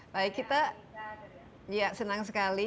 baik kita senang sekali